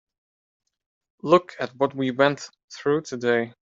Look at what we went through today.